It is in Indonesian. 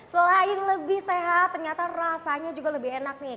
selain lebih sehat ternyata rasanya juga lebih enak nih